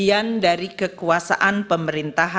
presiden adalah pemegang kekuasaan pemerintahan